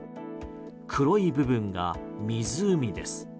黒い部分が湖です。